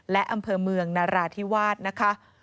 และอำเภอเมืองนราธิวาสนะคะ